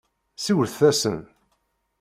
Siwlet-asen.